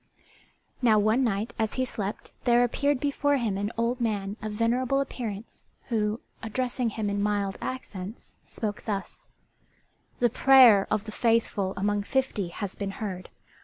] Now one night as he slept there appeared before him an old man of venerable appearance who, addressing him in mild accents, spoke thus: "The prayer of the faithful among fifty has been heard.